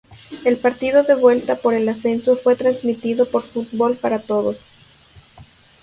El partido de vuelta por el ascenso fue transmitido por Fútbol Para Todos.